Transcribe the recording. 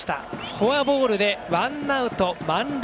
フォアボールでワンアウト満塁。